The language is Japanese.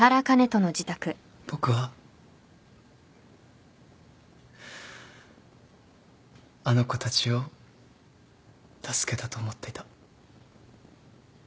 僕はあの子たちを助けたと思っていた。